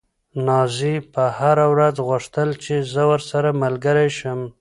نازيې به هره ورځ غوښتل چې زه ورسره ملګرې شم.